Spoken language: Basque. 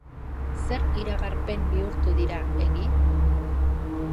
Zer iragarpen bihurtu dira egi?